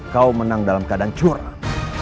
kau menang dalam keadaan curah